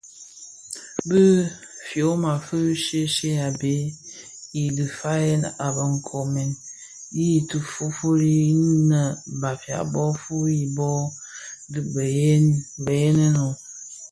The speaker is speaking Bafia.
Bi fyoma fi shye shye a bhee i dhifyanzèn a be nkoomèn i ti fuli yi nnë Bafia bō fuyi, bo dhi beyen ooo?